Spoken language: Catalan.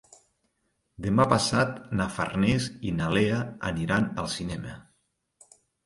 Demà passat na Farners i na Lea aniran al cinema.